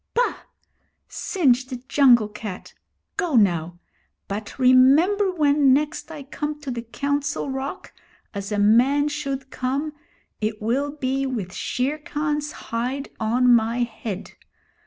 'Pah! Singed jungle cat go now! But remember when next I come to the Council Rock, as a man should come, it will be with Shere Khan's hide on my head.